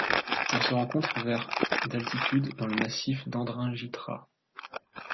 Elle se rencontre vers d'altitude dans le massif d'Andringitra.